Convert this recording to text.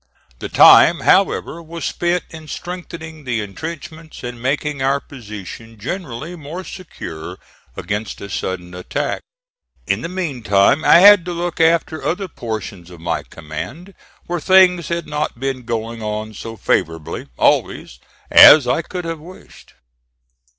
The time, however, was spent in strengthening the intrenchments and making our position generally more secure against a sudden attack. In the meantime I had to look after other portions of my command, where things had not been going on so favorably, always, as I could have wished.